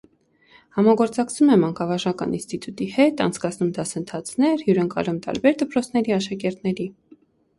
Համագործակցում է մանկավարժական ինստիտուտի հետ, անցկացնում դասընթացներ, հյուրընկալում տարբեր դպրոցների աշակերտների։